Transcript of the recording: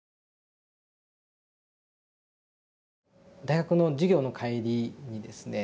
大学の授業の帰りにですね